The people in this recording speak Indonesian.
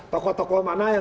tokoh tokoh mana yang